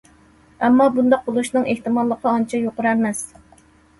ئەمما بۇنداق بولۇشنىڭ ئېھتىماللىقى ئانچە يۇقىرى ئەمەس.